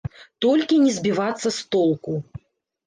Толькі не збівацца з толку.